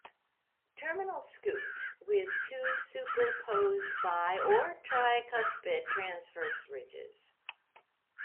Terminal scute with two superposed bi- or tricuspid transverse ridges.